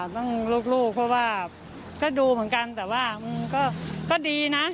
ลูกเพราะว่าก็ดูเหมือนกันแต่ว่าก็ดีนะ